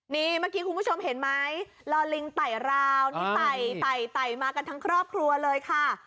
นี่เมื่อกี้คุณผู้ชมเห็นไหมลอลิงไต่ราวนี่ไต่มากันทั้งครอบครัวเลยค่ะ